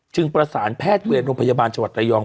จึงประสานแพทย์เวลโรงพยาบาลจวดระยอง